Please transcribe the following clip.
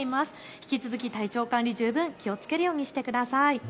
引き続き体調管理、十分気をつけるようにしてください。